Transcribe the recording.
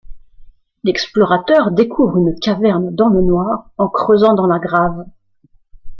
L’explorateur découvre une caverne dans le noir en creusant dans la Grave.